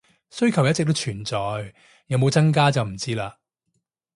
需求一直都存在，有冇增加就唔知喇